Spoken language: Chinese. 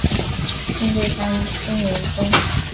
信贵山真言宗。